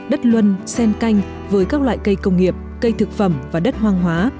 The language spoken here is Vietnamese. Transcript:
đất luân sen canh với các loại cây công nghiệp cây thực phẩm và đất hoang hóa